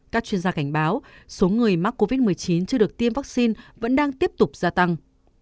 các chuyên gia cảnh báo số người mắc covid một mươi chín chưa được tiêm vaccine vẫn đang tiếp tục gia tăng